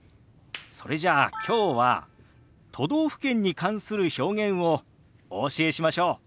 それじゃあきょうは都道府県に関する表現をお教えしましょう。